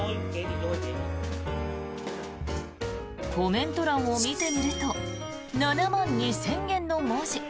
コメント欄を見てみると７万２０００元の文字。